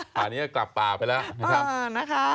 ตอนนี้กลับป่าไปแล้วนะครับ